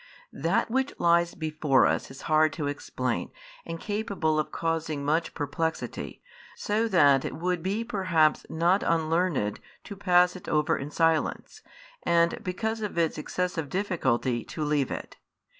That which lies before us is hard to explain and capable |12 of causing much perplexity, so that it would be perhaps not unlearned to pass it over in silence, and because of its excessive difficulty to leave it.